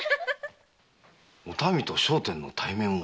おたみと聖天の対面を？